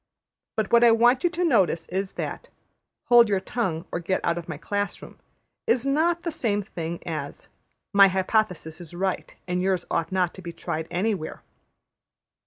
But what I want you to notice is that ``Hold your tongue, or get out of my class room,'' is not the same thing as ``My hypothesis is right, and yours ought not to be tried anywhere.''